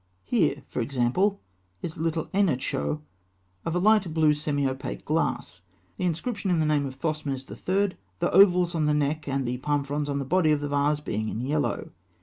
Here, for example, is a little aenochoe, of a light blue semi opaque glass (fig. 225); the inscription in the name of Thothmes III., the ovals on the neck, and the palm fronds on the body of the vase being in yellow.